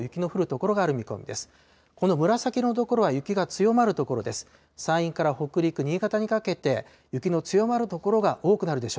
この紫色の所は雪が強まる所です。